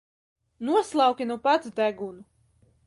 Noslauki nu pats degunu!